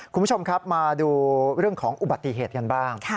คุณผู้ชมครับมาดูเรื่องของอุบัติเหตุกันบ้าง